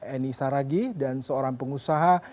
eni saragi dan seorang pengusaha